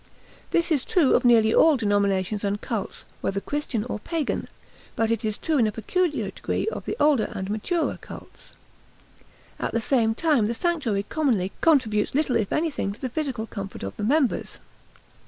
This is true of nearly all denominations and cults, whether Christian or Pagan, but it is true in a peculiar degree of the older and maturer cults. At the same time the sanctuary commonly contributes little if anything to the physical comfort of the members.